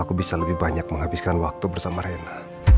aku bisa lebih banyak menghabiskan waktu bersama rena